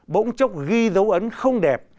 bỗng chốc ghi dấu ấn không đẹp